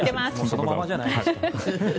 そのままじゃないですか。